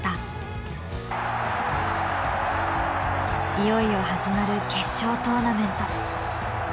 いよいよ始まる決勝トーナメント。